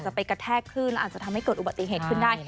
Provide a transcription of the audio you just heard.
จะกระแทกขึ้นอาจจะทำให้เกิดอุบัติเหตุขึ้นได้